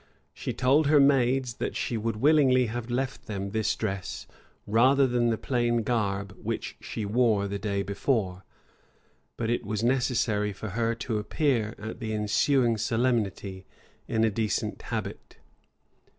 She told her maids, that she would willingly have left them this dress, rather than the plain garb which she wore the day before: but it was necessary for her to appear at the ensuing solemnity in a decent habit.